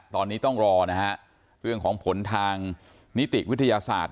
ตอนนี้ต้องรอนะฮะเรื่องของผลทางนิติวิทยาศาสตร์